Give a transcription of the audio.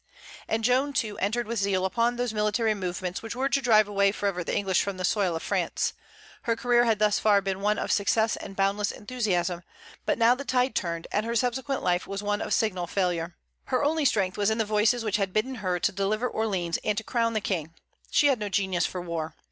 And Joan, too, entered with zeal upon those military movements which were to drive away forever the English from the soil of France. Her career had thus far been one of success and boundless enthusiasm; but now the tide turned, and her subsequent life was one of signal failure. Her only strength was in the voices which had bidden her to deliver Orleans and to crown the King. She had no genius for war.